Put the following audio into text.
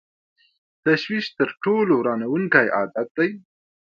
تشویش تر ټولو ورانوونکی عادت دی.